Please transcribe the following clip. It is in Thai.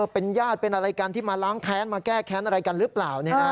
เป็นญาติเป็นอะไรกันที่มาล้างแค้นมาแก้แค้นอะไรกันหรือเปล่า